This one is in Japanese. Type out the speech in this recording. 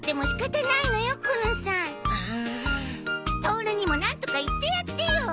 トオルにもなんとか言ってやってよ。